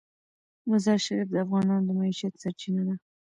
مزارشریف د افغانانو د معیشت سرچینه ده.